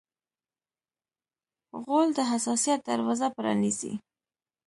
غول د حساسیت دروازه پرانیزي.